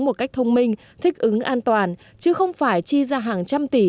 một cách thông minh thích ứng an toàn chứ không phải chi ra hàng trăm tỷ